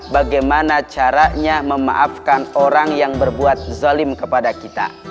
bagaimana caranya memaafkan orang yang berbuat zalim kepada kita